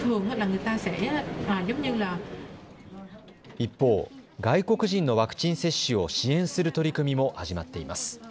一方、外国人のワクチン接種を支援する取り組みも始まっています。